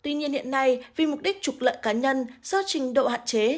tuy nhiên hiện nay vì mục đích trục lợi cá nhân do trình độ hạn chế